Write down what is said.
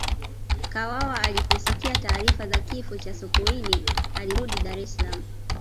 kawawa aliposikia taarifa za kifo cha sokoine alirudi dar es Salaam